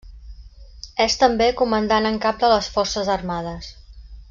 És també comandant en cap de les forces armades.